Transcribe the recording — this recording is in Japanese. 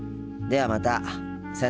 ではまた。